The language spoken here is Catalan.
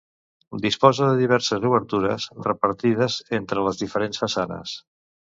Disposa de diverses obertures repartides entre les diferents façanes.